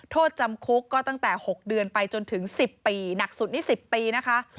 โทษจำคุกก็ตั้งแต่๖เดือนไปจนถึง๑๐ปีหนักสุดนี่๑๐ปีนะคะ